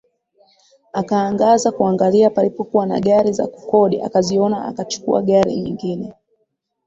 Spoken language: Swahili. Akaangaza kuangalia palipokuwa na gari za kukodi akaziona akachukua gari nyingine